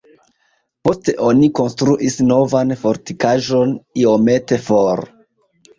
Poste oni konstruis novan fortikaĵon iomete for.